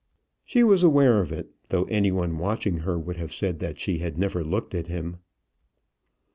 She was aware of it, though any one watching her would have said that she had never looked at him.